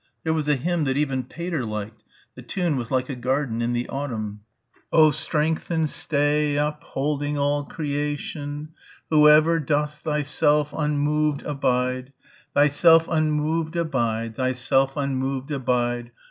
There was a hymn that even Pater liked ... the tune was like a garden in the autumn.... O ... Strengthen and Stay up ... Holding all Cre ay ay tion.... Who ... ever Dost Thy ... self un ... Moved a Bide.... Thyself unmoved abide ... Thyself unmoved abide